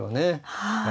はい。